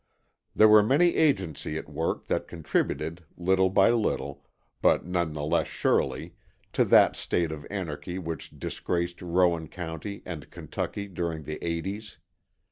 There were many agencies at work that contributed, little by little, but none the less surely, to that state of anarchy which disgraced Rowan County and Kentucky during the eighties.